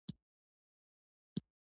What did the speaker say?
په افغانستان کې د ټولو ولایتونو منابع شته.